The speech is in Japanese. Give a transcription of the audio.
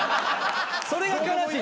それが悲しい。